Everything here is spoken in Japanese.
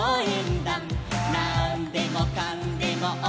「なんでもかんでもおうえんだ」